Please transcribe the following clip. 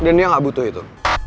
dan dia gak butuh itu